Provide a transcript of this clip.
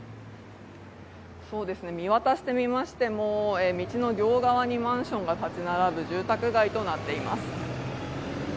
見渡してみましても、道の両側にマンションが建ち並ぶ住宅街となっています。